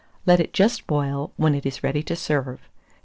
Let it just boil, when it is ready to serve.